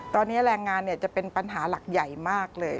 ตอนนี้แรงงานจะเป็นปัญหาหลักใหญ่มากเลย